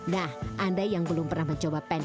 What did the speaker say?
nah anda yang belum pernah mencoba pancake jepang